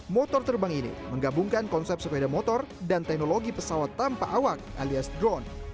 motor terbang ini menggabungkan konsep sepeda motor dan teknologi pesawat tanpa awak alias drone